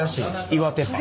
岩手パン。